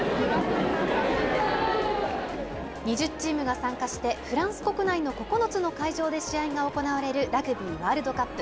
２０チームが参加して、フランス国内の９つの会場で試合が行われるラグビーワールドカップ。